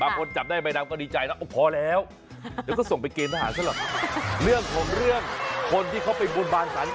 อันนี้แก้บนจริงแก้บนนะอันนี้คือการแก้บนที่แท้จริง